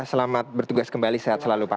selamat bertugas kembali sehat selalu pak